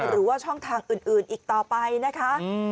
หรือว่าช่องทางอื่นอีกต่อไปนะคะ